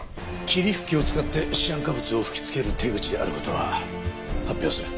霧吹きを使ってシアン化物を吹き付ける手口である事は発表する。